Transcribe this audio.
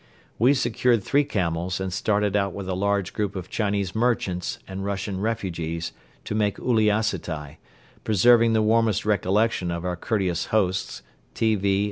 We secured three camels and started out with a large group of Chinese merchants and Russian refugees to make Uliassutai, preserving the warmest recollections of our courteous hosts, T. V.